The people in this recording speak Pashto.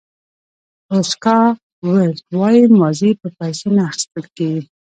اوسکار ویلډ وایي ماضي په پیسو نه اخیستل کېږي.